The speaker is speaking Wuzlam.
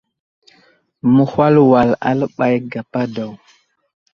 Mehwal wal aləɓay gapa daw.